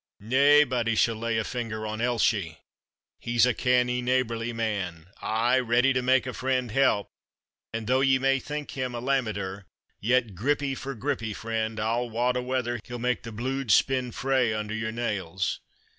Naebody shall lay a finger on Elshie; he's a canny neighbourly man, aye ready to make a friend help; and, though ye may think him a lamiter, yet, grippie for grippie, friend, I'll wad a wether he'll make the bluid spin frae under your nails.